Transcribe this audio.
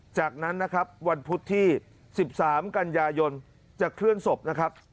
จากนั้นนะครับวันพุธที่๑๓กันยายนจะเคลื่อนศพนะครับ